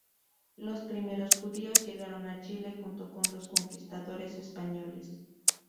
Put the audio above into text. Los primeros judíos llegaron a Chile junto con los conquistadores españoles.